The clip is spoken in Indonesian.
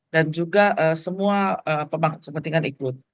juga semua pemangku kepentingan ikut